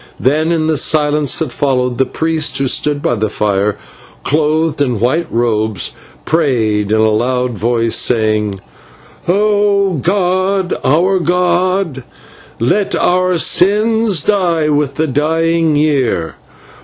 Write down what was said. Then, in the silence that followed, the priest who stood by the fire, clothed in white robes, prayed in a loud voice, saying: "O god, our god, let our sins die with the dying year.